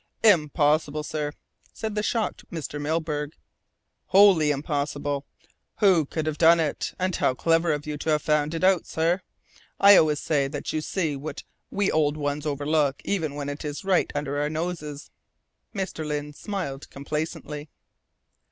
"Impossible, sir!" said the shocked Mr. Milburgh. "Wholly impossible! Who could have done it? And how clever of you to have found it out, sir! I always say that you see what we old ones overlook even though it's right under our noses!" Mr. Lyne smiled complacently.